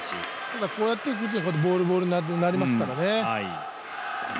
こうやってボール、ボールになりますからね。